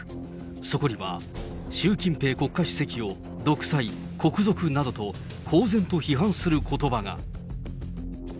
そこには、習近平国家主席を独裁、国賊などと、公然と批判することばが。